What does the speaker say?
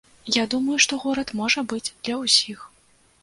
Я думаю, што горад можа быць для ўсіх.